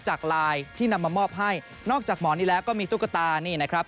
จากไลน์ที่นำมามอบให้นอกจากหมอนนี้แล้วก็มีตุ๊กตานี่นะครับ